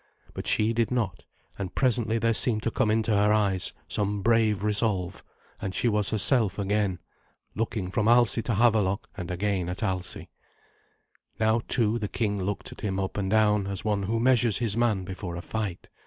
But she did not; and presently there seemed to come into her eyes some brave resolve, and she was herself again, looking from Alsi to Havelok, and again at Alsi. Now, too, the king looked at him up and down, as one who measures his man before a fight.